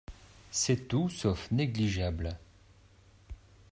C’est tout sauf négligeable